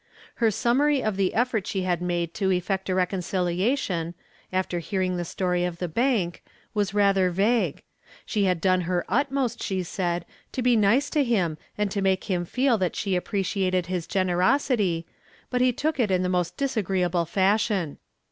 Her summary of the effort she had made to effect a reconciliation, after hearing the story of the bank, was rather vague. She had done her utmost, she said, to be nice to him and make him feel that she appreciated his generosity, but he took it in the most disagreeable fashion.